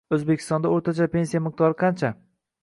O‘zbekistonda o‘rtacha pensiya miqdori qancha?